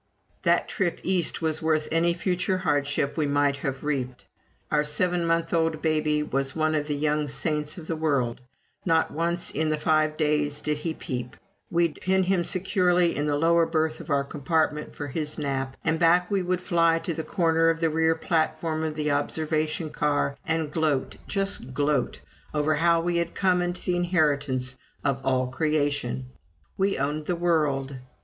That trip East was worth any future hardship we might have reaped. Our seven months old baby was one of the young saints of the world not once in the five days did he peep. We'd pin him securely in the lower berth of our compartment for his nap, and back we would fly to the corner of the rear platform of the observation car, and gloat, just gloat, over how we had come into the inheritance of all creation. We owned the world.